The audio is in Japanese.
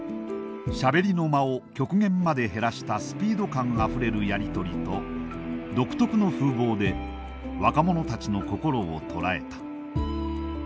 しゃべりの間を極限まで減らしたスピード感あふれるやり取りと独特の風貌で若者たちの心を捉えた。